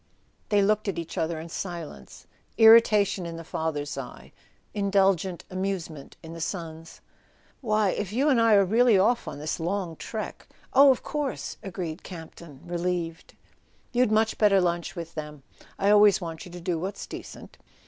They looked at each other in silence, irritation in the father's eye, indulgent amusement in the son's. "Why, if you and I are really off on this long trek " "Oh, of course," agreed Campton, relieved. "You'd much better lunch with them. I always want you to do what's decent."